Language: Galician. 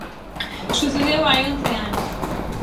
Sucedeu hai once anos.